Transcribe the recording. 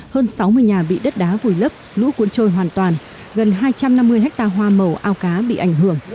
hơn sáu mươi nhà bị đất đá vùi lấp lũ cuốn trôi hoàn toàn gần hai trăm năm mươi ha hoa màu ao cá bị ảnh hưởng